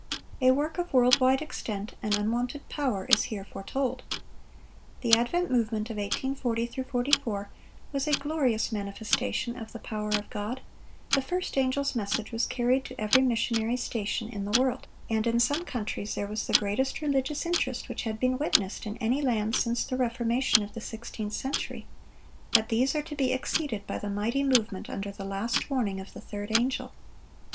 A work of world wide extent and unwonted power is here foretold. The Advent Movement of 1840 44 was a glorious manifestation of the power of God; the first angel's message was carried to every missionary station in the world, and in some countries there was the greatest religious interest which has been witnessed in any land since the Reformation of the sixteenth century; but these are to be exceeded by the mighty movement under the last warning of the third angel.